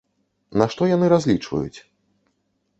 На што яны разлічваюць?